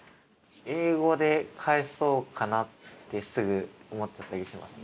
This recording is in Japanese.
英語で返そうかなってすぐ思っちゃったりしますね。